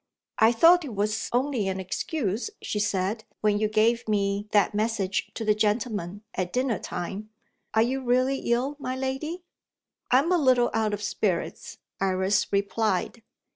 "I thought it was only an excuse," she said, "when you gave me that message to the gentlemen, at dinner time. Are you really ill, my lady?" "I am a little out of spirits," Iris replied.